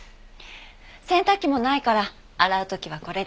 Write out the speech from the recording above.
洗濯機もないから洗う時はこれで。